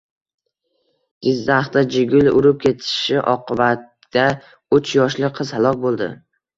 Jizzaxda Jiguli urib ketishi oqibatidauchyoshli qiz halok bo‘ldi